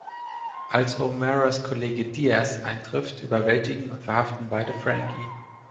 Als O’Mearas Kollege Diaz eintrifft, überwältigen und verhaften beide Frankie.